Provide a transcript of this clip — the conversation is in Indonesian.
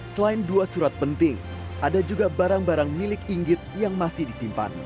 selain dua surat penting ada juga barang barang milik inggit yang masih disimpan